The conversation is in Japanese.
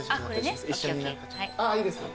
いいですね。